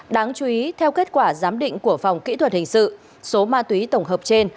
đáng chú ý theo kết quả giám định của phòng kỹ thuật hình sự số ma túy tổng hợp trên